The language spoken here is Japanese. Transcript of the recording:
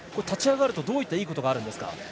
立ち上がると、どういったいいことがあるんですか？